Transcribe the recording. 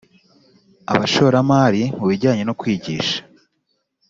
abashoramari mu bijyanye no kwigisha